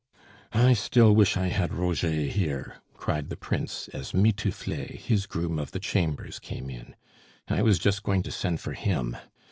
"I still wish I had Roger here," cried the Prince, as Mitouflet, his groom of the chambers, came in. "I was just going to send for him!